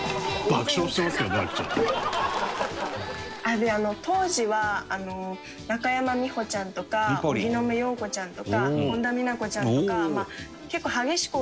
であの当時は中山美穂ちゃんとか荻野目洋子ちゃんとか本田美奈子．ちゃんとか。